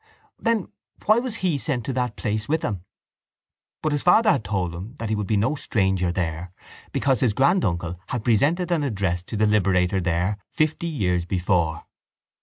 Then why was he sent to that place with them? But his father had told him that he would be no stranger there because his granduncle had presented an address to the Liberator there fifty years before.